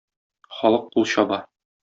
Халык кул чаба.